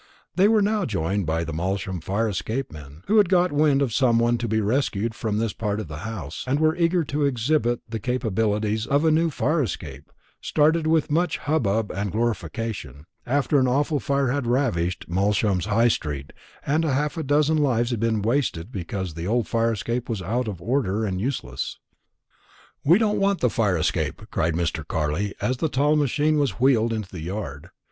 They were now joined by the Malsham fire escape men, who had got wind of some one to be rescued from this part of the house, and were eager to exhibit the capabilities of a new fire escape, started with much hubbub and glorification, after an awful fire had ravaged Malsham High street, and half a dozen lives had been wasted because the old fire escape was out of order and useless. "We don't want the fire escape," cried Mr. Carley as the tall machine was wheeled into the yard.